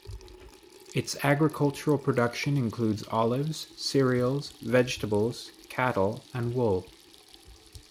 Its agricultural production includes olives, cereals, vegetables, cattle and wool.